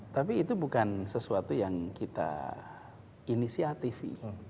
tapi itu bukan sesuatu yang kita inisiatifi